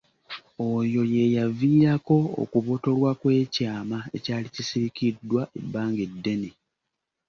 Oyo ye yaviirako okubotolwa kw’ekyama ekyali kisirikiddwa ebbanga eddene.